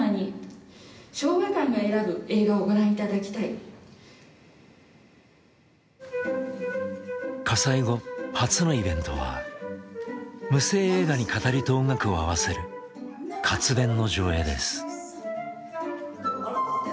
ですが火災後初のイベントは無声映画に語りと音楽を合わせる活弁の上映です。